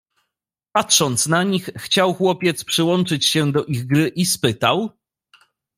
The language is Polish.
"Patrząc na nich, chciał chłopiec przyłączyć się do ich gry i spytał?"